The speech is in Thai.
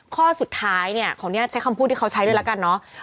ข้อสุดท้ายเนี่ยขออนุญาตใช้คำพูดที่เขาใช้ด้วยแล้วกันเนาะ